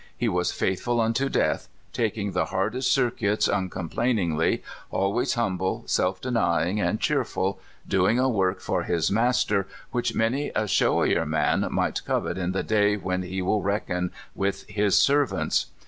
He was faithful unto death, taking the hardest circuits uncomplainingly, always humble, self denying, and cheerful, doing a work for his Master which many a showier man might covet in the day when He will reckon wdth His ser vants.